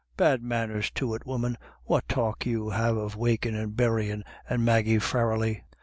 u Bad manners to it, woman, what talk have you of wakin' and burryin', and Maggie Farrelly